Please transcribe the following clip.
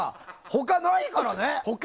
他、ないからね。